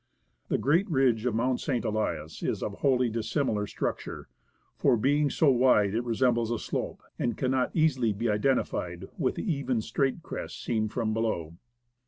The great ridge of Mount St. Elias is of wholly dissimilar structure, for being so wide it resembles a slope, and can not be easily identified with the even, straight crest seen from below.